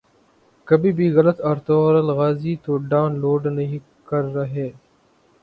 کہیں بھی غلط ارطغرل غازی تو ڈان لوڈ نہیں کر رہے